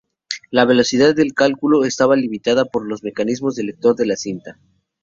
La velocidad de cálculo estaba limitada por los mecanismos del lector de la cinta.